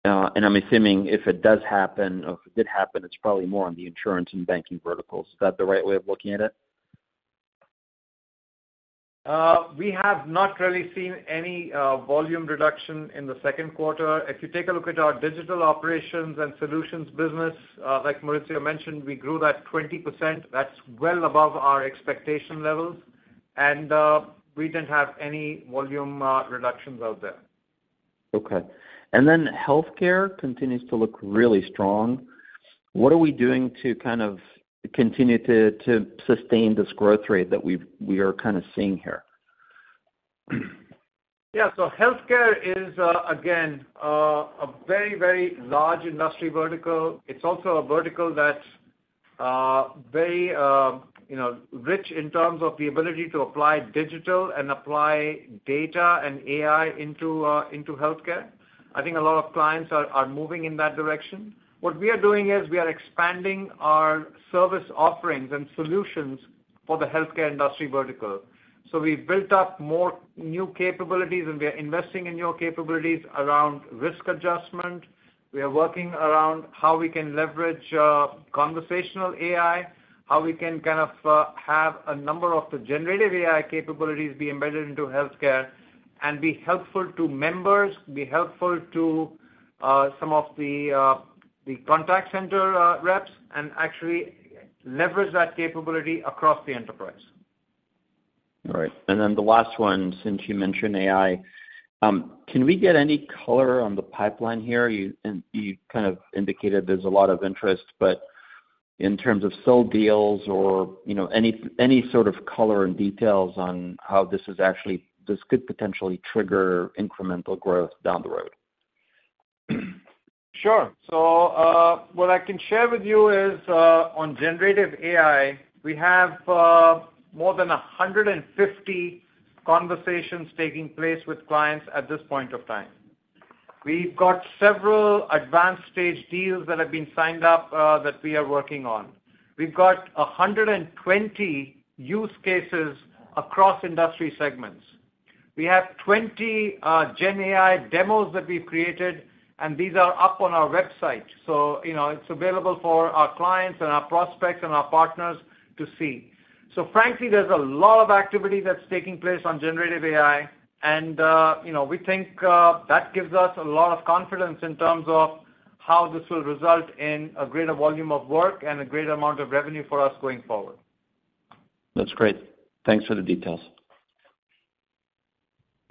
I'm assuming if it does happen or if it did happen, it's probably more on the insurance and banking verticals. Is that the right way of looking at it? We have not really seen any volume reduction in the second quarter. If you take a look at our digital operations and solutions business, like Maurizio mentioned, we grew that 20%. That's well above our expectation levels, and we didn't have any volume reductions out there. Okay. Healthcare continues to look really strong. What are we doing to kind of continue to sustain this growth rate that we are kind of seeing here? Healthcare is again a very, very large industry vertical. It's also a vertical that's very, you know, rich in terms of the ability to apply digital and apply data and AI into healthcare. I think a lot of clients are moving in that direction. What we are doing is we are expanding our service offerings and solutions for the healthcare industry vertical. We've built up more new capabilities, and we are investing in new capabilities around risk adjustment. We are working around how we can leverage conversational AI, how we can kind of have a number of the generative AI capabilities be embedded into healthcare and be helpful to members, be helpful to some of the contact center reps, and actually leverage that capability across the enterprise. All right. The last one, since you mentioned AI, can we get any color on the pipeline here? You kind of indicated there's a lot of interest, but in terms of sold deals or, you know, any sort of color and details on how this is actually. This could potentially trigger incremental growth down the road. Sure. What I can share with you is on Generative AI, we have more than 150 conversations taking place with clients at this point of time. We've got several advanced stage deals that have been signed up that we are working on. We've got 120 use cases across industry segments. We have 20 GenAI demos that we've created, and these are up on our website. You know, it's available for our clients and our prospects and our partners to see. Frankly, there's a lot of activity that's taking place on Generative AI, and, you know, we think that gives us a lot of confidence in terms of how this will result in a greater volume of work and a greater amount of revenue for us going forward. That's great. Thanks for the details.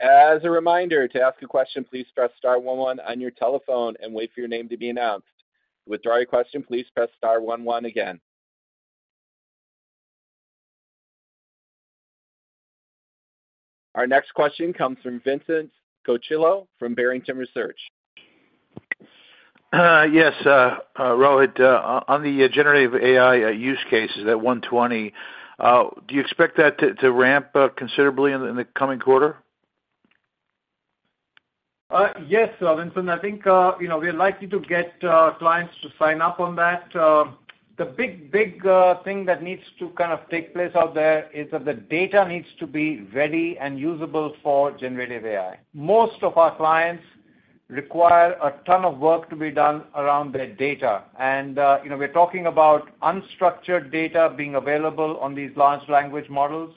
As a reminder, to ask a question, please press star one one on your telephone and wait for your name to be announced. To withdraw your question, please press star one one again. Our next question comes from Vincent Colicchio from Barrington Research. Yes, Rohit, on the generative AI use cases at 120, do you expect that to ramp considerably in the coming quarter? Yes, Vincent, I think, you know, we're likely to get clients to sign up on that. The big, big thing that needs to kind of take place out there is that the data needs to be ready and usable for generative AI. Most of our clients require a ton of work to be done around their data. You know, we're talking about unstructured data being available on these large language models.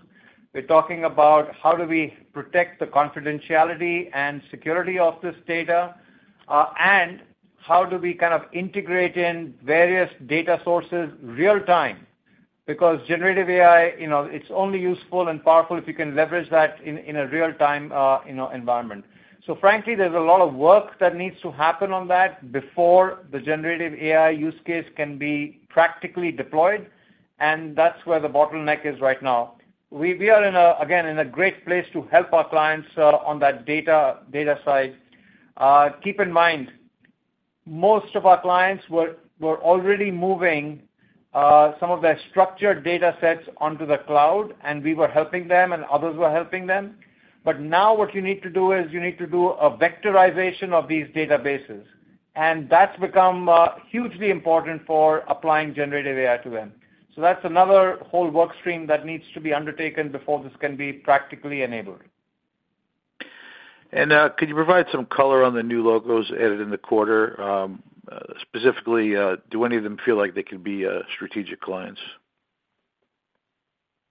We're talking about how do we protect the confidentiality and security of this data, and how do we kind of integrate in various data sources real time? Because generative AI, you know, it's only useful and powerful if you can leverage that in, in a real time, you know, environment. Frankly, there's a lot of work that needs to happen on that before the generative AI use case can be practically deployed. That's where the bottleneck is right now. We are in a great place to help our clients on that data side. Keep in mind, most of our clients were already moving some of their structured data sets onto the cloud, and we were helping them, and others were helping them. Now what you need to do is you need to do a vectorization of these databases, and that's become hugely important for applying generative AI to them. That's another whole work stream that needs to be undertaken before this can be practically enabled. Could you provide some color on the new logos added in the quarter? Specifically, do any of them feel like they could be strategic clients?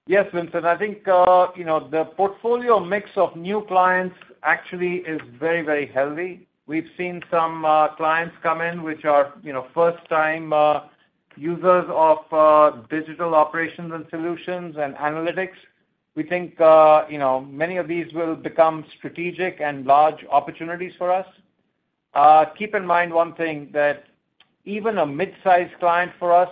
Yes, Vincent, I think, you know, the portfolio mix of new clients actually is very, very healthy. We've seen some clients come in, which are, you know, first-time users of digital operations and solutions and analytics. We think, you know, many of these will become strategic and large opportunities for us. Keep in mind one thing, that even a mid-sized client for us,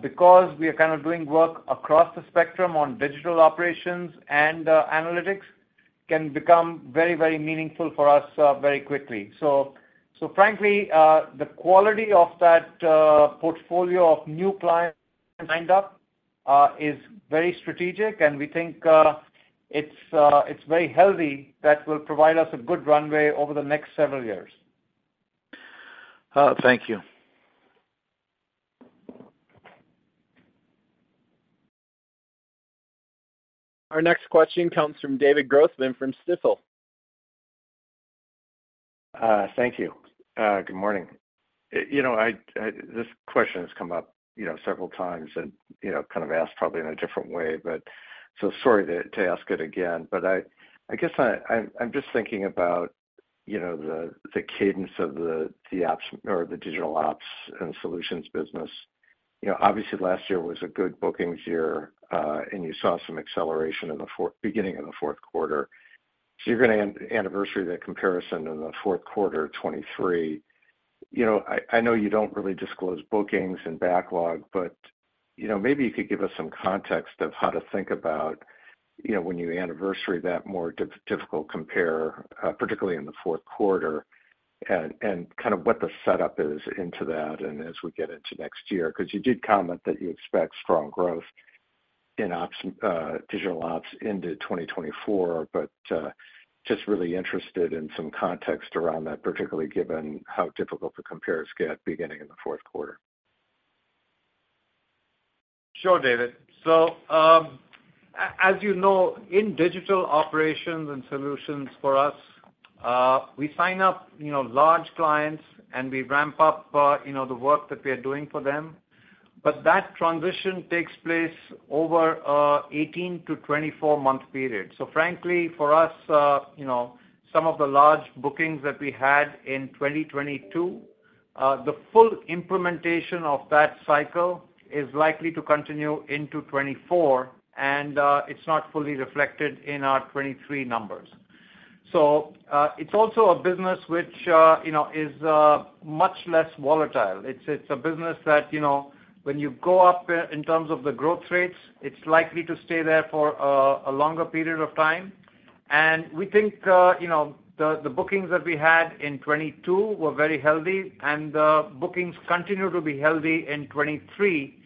because we are kind of doing work across the spectrum on digital operations and analytics, can become very, very meaningful for us very quickly. Frankly, the quality of that portfolio of new clients lined up is very strategic, and we think it's very healthy, that will provide us a good runway over the next several years. Thank you. Our next question comes from David Grossman from Stifel. Thank you. Good morning. You know, I This question has come up, you know, several times and, you know, kind of asked probably in a different way, sorry to ask it again. I guess I'm just thinking about, you know, the cadence of the ops or the digital ops and solutions business. You know, obviously, last year was a good bookings year, and you saw some acceleration in the beginning of the fourth quarter. You're gonna anniversary that comparison in the fourth quarter of 2023. You know, I, I know you don't really disclose bookings and backlog, but, you know, maybe you could give us some context of how to think about, you know, when you anniversary that more difficult compare, particularly in the fourth quarter, and kind of what the setup is into that and as we get into next year. 'Cause you did comment that you expect strong growth in ops, digital ops into 2024, but just really interested in some context around that, particularly given how difficult the compares get beginning in the fourth quarter. Sure, David. As you know, in digital operations and solutions for us, we sign up, you know, large clients, and we ramp up, you know, the work that we are doing for them. That transition takes place over a 18-24-month period. Frankly, for us, you know, some of the large bookings that we had in 2022, the full implementation of that cycle is likely to continue into 2024, and it's not fully reflected in our 2023 numbers. It's also a business which, you know, is much less volatile. It's a business that, you know, when you go up in terms of the growth rates, it's likely to stay there for a longer period of time. We think, you know, the bookings that we had in 2022 were very healthy, and the bookings continue to be healthy in 2023.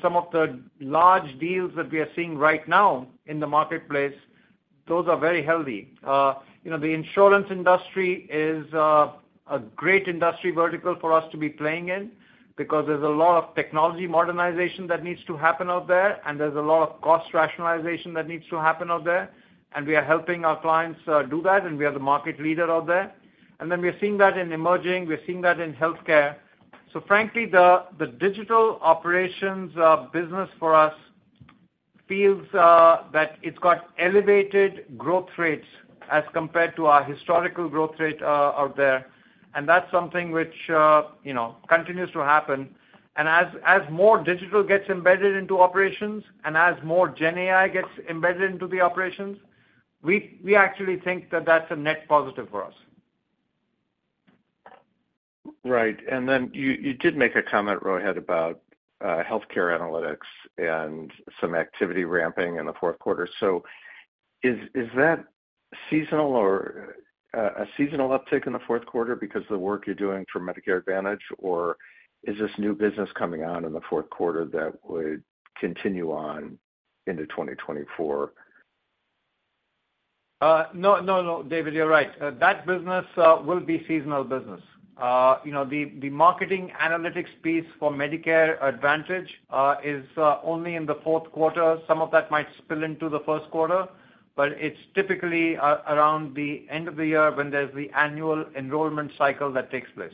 Some of the large deals that we are seeing right now in the marketplace, those are very healthy. You know, the insurance industry is a great industry vertical for us to be playing in because there's a lot of technology modernization that needs to happen out there, and there's a lot of cost rationalization that needs to happen out there, and we are helping our clients do that, and we are the market leader out there. Then we are seeing that in emerging, we're seeing that in healthcare. Frankly, the digital operations business for us feels that it's got elevated growth rates as compared to our historical growth rate out there, and that's something which, you know, continues to happen. As, as more digital gets embedded into operations and as more GenAI gets embedded into the operations, we, we actually think that that's a net positive for us. Right. Then you did make a comment, Rohit, about healthcare analytics and some activity ramping in the fourth quarter. Is that seasonal or a seasonal uptick in the fourth quarter because of the work you're doing for Medicare Advantage, or is this new business coming on in the fourth quarter that would continue on into 2024? No, no, no, David, you're right. That business will be seasonal business. You know, the marketing analytics piece for Medicare Advantage is only in the fourth quarter. Some of that might spill into the first quarter, but it's typically around the end of the year when there's the annual enrollment cycle that takes place.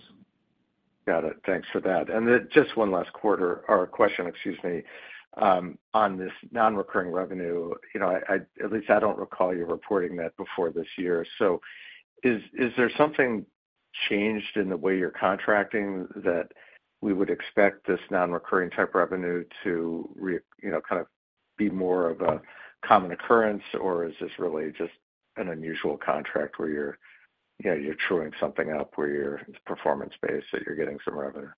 Got it. Thanks for that. Just one last quarter, or question, excuse me, on this non-recurring revenue. You know, at least I don't recall you reporting that before this year. Is there something changed in the way you're contracting that we would expect this non-recurring type revenue to, you know, kind of be more of a common occurrence? Is this really just an unusual contract where you're, you know, you're truing something up, where you're performance-based, so you're getting some revenue?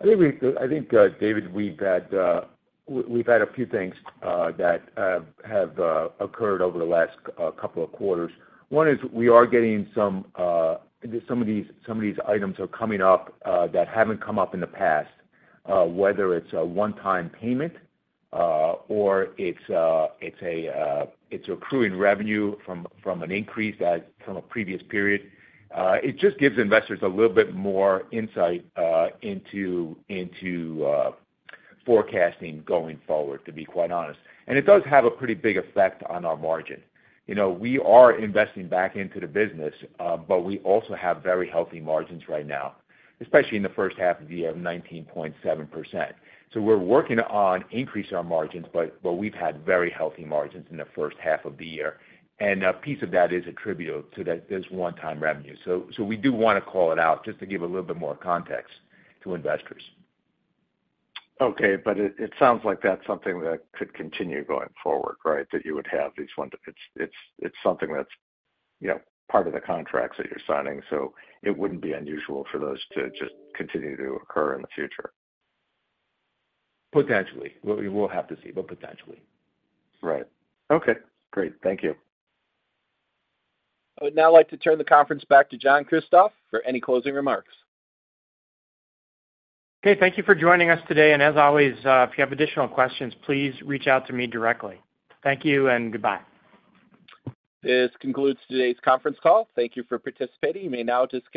I think, David, we've had a few things that have occurred over the last couple of quarters. One is we are getting some of these items are coming up that haven't come up in the past, whether it's a one-time payment, or it's accruing revenue from a previous period. It just gives investors a little bit more insight into forecasting going forward, to be quite honest. It does have a pretty big effect on our margin. You know, we are investing back into the business, but we also have very healthy margins right now, especially in the first half of the year, 19.7%. We're working on increasing our margins, but we've had very healthy margins in the first half of the year, and a piece of that is attributable to that, this one-time revenue. We do want to call it out just to give a little bit more context to investors. It sounds like that's something that could continue going forward, right? You would have these ones. It's something that's, you know, part of the contracts that you're signing, so it wouldn't be unusual for those to just continue to occur in the future. Potentially. We will have to see, but potentially. Right. Okay, great. Thank you. I would now like to turn the conference back to John Kristoff for any closing remarks. Okay. Thank you for joining us today. As always, if you have additional questions, please reach out to me directly. Thank you and goodbye. This concludes today's conference call. Thank you for participating. You may now disconnect.